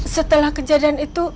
setelah kejadian itu